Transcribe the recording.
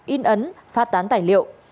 in ấn phát tán tài liệu